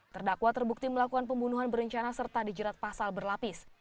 terdakwa terbukti melakukan pembunuhan berencana serta dijerat pasal berlapis